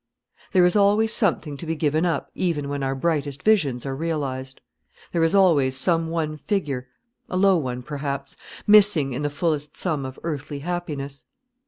There is always something to be given up even when our brightest visions are realised; there is always some one figure (a low one perhaps) missing in the fullest sum of earthly happiness.